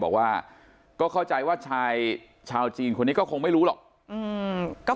บอกว่าก็เข้าใจว่าชายชาวจีนคนนี้ก็คงไม่รู้หรอก